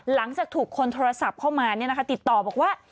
หลังจากถูกคนโทรศัพท์เข้ามาติดต่อบอกว่า